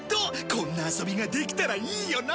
こんな遊びができたらいいよな。